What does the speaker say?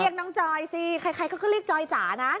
เรียกน้องจอยสิใครก็เรียกจอยจ๋านะ